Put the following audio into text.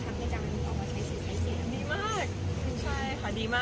ดีมากใช่ค่ะดีมาก